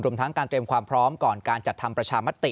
ทั้งการเตรียมความพร้อมก่อนการจัดทำประชามติ